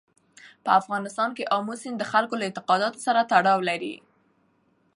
په افغانستان کې آمو سیند د خلکو له اعتقاداتو سره تړاو لري.